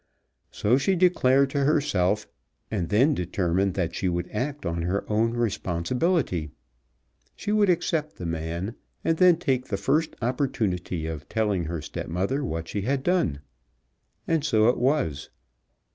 So she declared to herself, and then determined that she would act on her own responsibility. She would accept the man, and then take the first opportunity of telling her stepmother what she had done. And so it was.